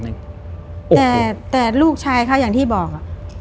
หนึ่งแต่แต่ลูกใช้ครับอย่างที่บอกอ่ะ